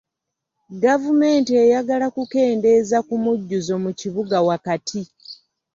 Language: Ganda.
Gavumenti eyagala kukendeeza ku mujjuzo mu kibuga wakati.